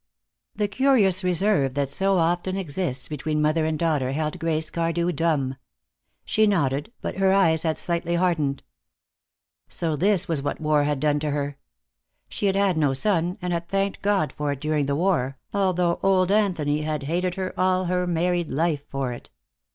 The curious reserve that so often exists between mother and daughter held Grace Cardew dumb. She nodded, but her eyes had slightly hardened. So this was what war had done to her. She had had no son, and had thanked God for it during the war, although old Anthony had hated her all her married life for it.